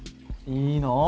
いいの？